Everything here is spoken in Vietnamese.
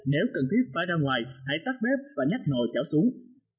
nếu cần thiết phải ra ngoài hãy tắt bếp và nhắc nồi chảo xuống